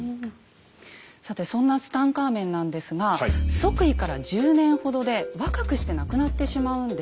さてそんなツタンカーメンなんですが即位から１０年ほどで若くして亡くなってしまうんですね。